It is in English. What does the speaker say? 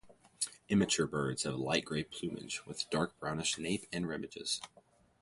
Immature birds have light grey plumage with darker brownish nape and remiges.